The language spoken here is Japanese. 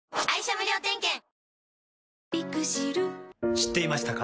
知っていましたか？